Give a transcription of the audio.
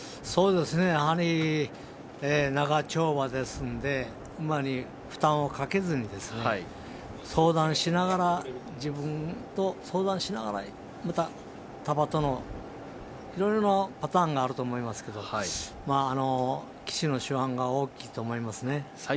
やはり、長丁場ですので馬に負担をかけずに相談しながら自分と相談しながらいろいろなパターンがあると思いますけど騎手の手腕が大きいと思いますね。